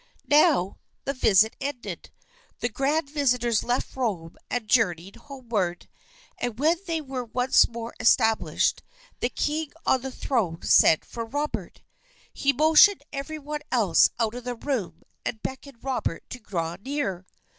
Now, the visit ended; the grand visitors left Rome and journeyed homeward. And when they were once more established, the king on the throne sent for Robert. He motioned every one else out of the room and beckoned Robert to draw near.